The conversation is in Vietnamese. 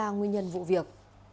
nguyên nhân vụ việc